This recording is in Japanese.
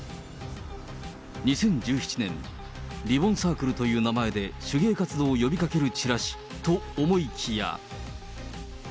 ２０１７年、リボンサークルという名前で手芸活動を呼びかけるチラシと、思いきや。